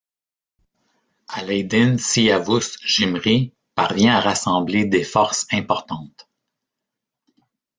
Alâeddin Siyavuş Jimri parvient à rassembler des forces importantes.